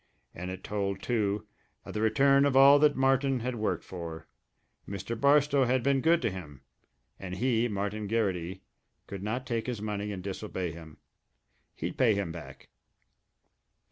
And it told, too, of the return of all that Martin had worked for Mr. Barstow had been good to him, and he, Martin Garrity, could not take his money and disobey him. He'd pay him back.